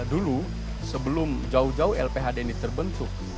dulu sebelum jauh jauh lphd ini terbentuk